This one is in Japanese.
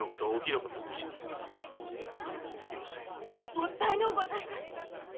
もったいのうございます。